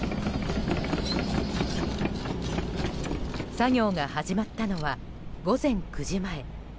作業が始まったのは午前９時前。